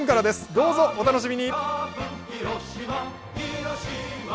どうぞ、お楽しみに。